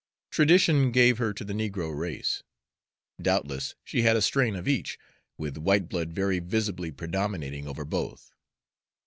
Tradition gave her to the negro race. Doubtless she had a strain of each, with white blood very visibly predominating over both.